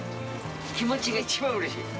気持ちが一番うれしい。